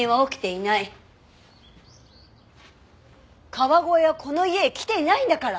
川越はこの家へ来ていないんだから！